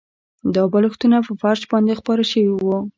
دا بالښتونه په فرش باندې خپاره شوي وو